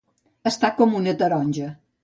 Estar com una taronja.